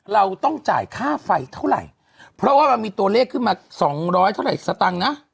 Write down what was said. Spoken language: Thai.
เราต้องจ่ายค่าไฟเท่าไหร่เพราะว่ามันมีตัวเลขขึ้นมาสองร้อยเท่าไหร่สตังค์นะ